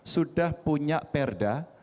sudah punya perda